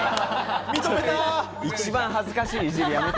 一番恥ずかしいいじりやめて。